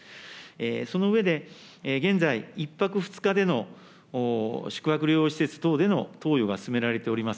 その上で、現在、１泊２日での宿泊療養施設等での投与が進められております。